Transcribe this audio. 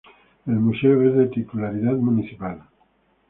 El museo es de titularidad municipal.